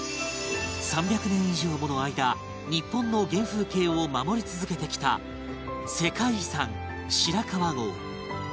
３００年以上もの間日本の原風景を守り続けてきた世界遺産白川郷